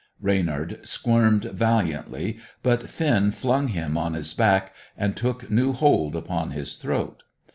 Reynard squirmed valiantly; but Finn flung him on his back, and took new hold upon his throat.